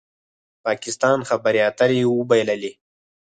پاکستان خبرې اترې وبایللې